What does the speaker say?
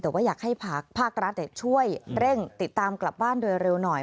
แต่ว่าอยากให้ภาครัฐช่วยเร่งติดตามกลับบ้านโดยเร็วหน่อย